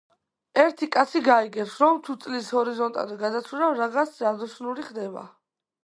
ერთი კაცი გაიგებს ,რომ თუ წლის ჰორიზონტამდე გადაცურავ, რაგაც ჯადოსნური ხდება